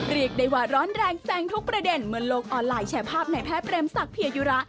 เรียกได้ว่าร้อนแรงแซงทุกประเด็นเมื่อโลกออนไลน์แชร์ภาพในแพทย์เรมศักดิยยุระ